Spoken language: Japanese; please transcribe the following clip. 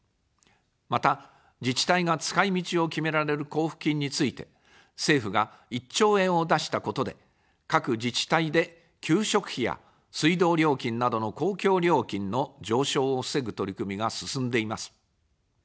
また、自治体が使い道を決められる交付金について、政府が１兆円を出したことで、各自治体で給食費や水道料金などの公共料金の上昇を防ぐ取り組みが進んでいます。